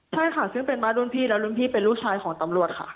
ใช่ค่ะซึ่งเป็นบ้านรุ่นพี่แล้วรุ่นพี่เป็นลูกชายของตำรวจค่ะ